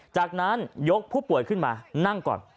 จากนั้นยกผู้ป่วยขึ้นมานั่งก่อน